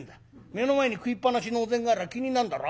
目の前に食いっぱなしのお膳がありゃ気になるだろ。